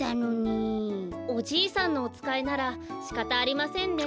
おじいさんのおつかいならしかたありませんね。